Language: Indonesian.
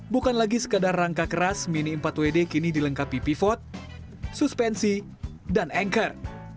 bukan lagi sekadar rangka keras mini empat wd kini dilengkapi pivot suspensi dan anchor